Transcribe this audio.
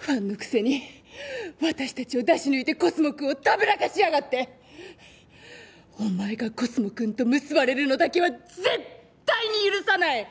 ファンのくせに私たちを出し抜いてコスモくんをたぶらかしやがってお前がコスモくんと結ばれるのだけは絶対に許さない！